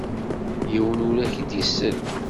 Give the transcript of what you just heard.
Yiwen ur ak-d-isell.